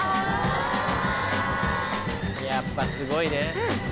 やっぱすごいね。